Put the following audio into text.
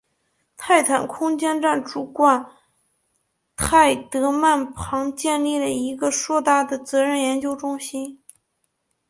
泰坦空间站主管泰德曼旁建立了一个硕大的责任研究中心。